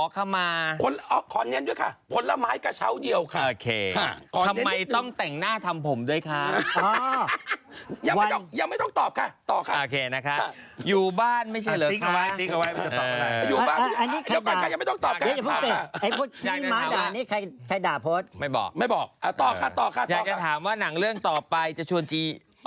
ตายแล้วถุลเลชน์เรามาถ่ายทำไมเพื่ออะไร